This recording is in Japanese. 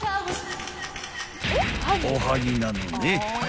［おはぎなのね］